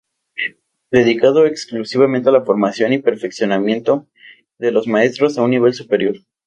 Dedicado exclusivamente a la formación y perfeccionamiento de los maestros a un nivel superior.